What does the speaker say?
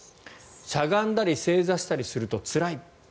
しゃがんだり正座したりするとつらい。